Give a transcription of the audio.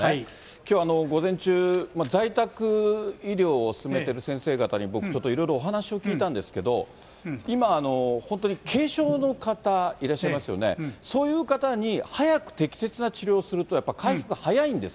きょう午前中、在宅医療を進めている先生方に僕、ちょっといろいろお話を聞いたんですけど、今、本当に軽症の方、いらっしゃいますよね、そういう方に早く適切な治療をすると、そうでしょうね。